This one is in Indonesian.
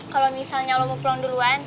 kalau misalnya lo mau pulang duluan